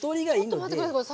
ちょっと待って下さい。